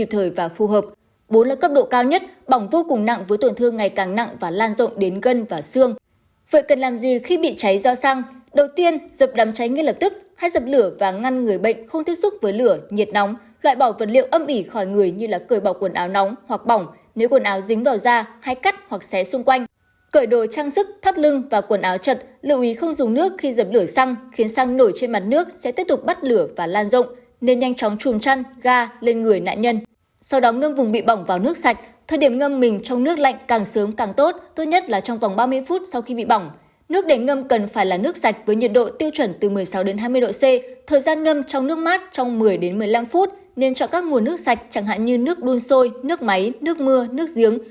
thời gian ngâm trong nước mát trong một mươi đến một mươi năm phút nên chọn các nguồn nước sạch chẳng hạn như nước đun sôi nước máy nước mưa nước giếng